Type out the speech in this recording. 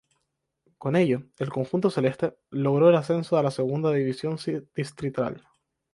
Con ello, el conjunto celeste logró el ascenso a la Segunda División distrital.